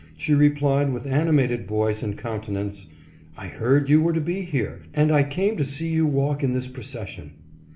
She replied, with animated voice and countenance, " I heard you were to be here, and I came to see you walk in this procession."